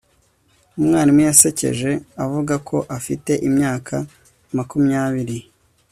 Umwarimu yasekeje avuga ko afite imyaka makumyabiri